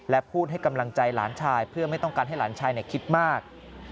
และพูดให้กำลังใจหลานชายเพื่อไม่ต้องการให้หลานชายคิดมาก